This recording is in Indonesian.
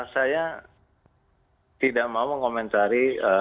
saya tidak mau komentari